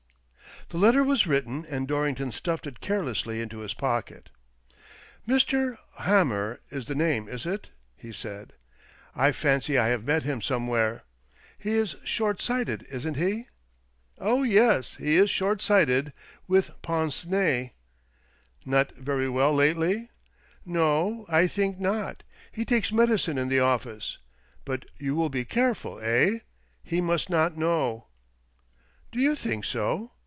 The letter was written, and Dorrington stuffed it carelessly into his pocket. " Mr. Hamer is the name, is it? " he said. " I fancy I have met him somewhere. He is short sighted, isn't he ?"" Oh yes, he is short sighted. With pince nez." " Not very well lately ?" "No — I think not. He takes medicine in the office. But you will be careful, eh ? He must not know." "Do you think so?